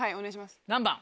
何番？